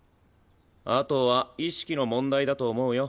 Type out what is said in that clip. あとは意識の問題だと思うよ